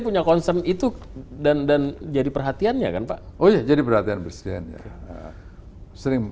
punya concern itu dan dan jadi perhatiannya kan pak oh ya jadi perhatian presiden sering